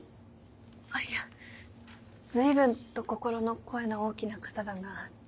あいや随分と心の声の大きな方だなと。